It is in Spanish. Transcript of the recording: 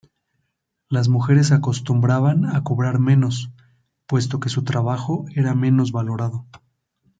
Las mujeres acostumbraban a cobrar menos, puesto que su trabajo era menos valorado.